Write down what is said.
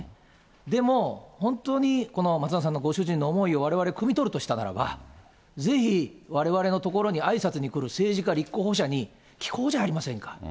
でも、本当にこの松永さんのご主人の思いをわれわれ、くみ取るとしたならば、ぜひ、われわれのところにあいさつに来る政治家、立候補者に、聞こうじゃありませんか。